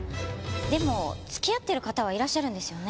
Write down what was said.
でも付き合ってる方はいらっしゃるんですよね？